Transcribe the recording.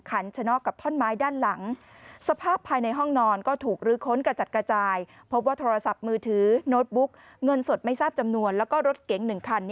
ขันชะนอกกับท่อนไม้ด้านหลัง